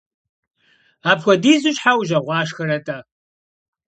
Apxuedizu şhe vujeğuaşşxere - t'e?